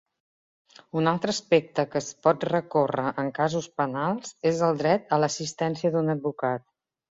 Un altre aspecte que es pot recórrer en casos penals és el dret a l'assistència d'un advocat.